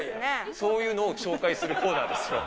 そういうのを紹介するコーナーですよ。